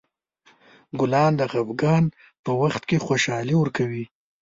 ګلان د خفګان په وخت خوشحالي ورکوي.